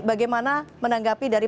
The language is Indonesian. bagaimana menanggapi dari